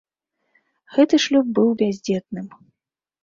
Гэты шлюб быў бяздзетным.